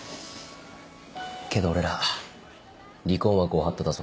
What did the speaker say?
けど俺ら離婚はご法度だぞ。